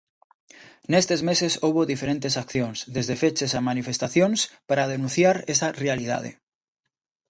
Nestes meses houbo diferentes accións, desde feches a manifestacións, para denunciar esa realidade.